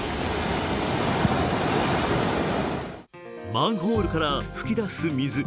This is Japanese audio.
マンホールから噴き出す水。